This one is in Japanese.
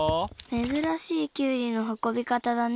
珍しいキュウリの運び方だね。